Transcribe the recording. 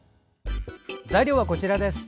材料はこちらです。